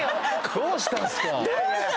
どうしたんすか？